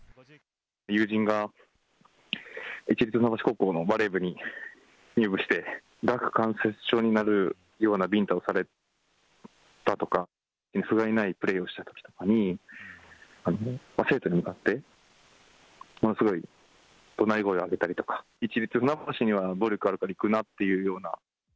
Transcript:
友人が市立船橋高校のバレー部に入部して、顎関節症になるようなびんたをされたとか、ふがいないプレーをしたときとかに、生徒に向かって、ものすごいどなり声を上げたりとか、市立船橋には暴力があるから行くなっていうような。